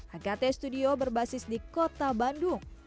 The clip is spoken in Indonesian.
agate studio berbasis di kota bandung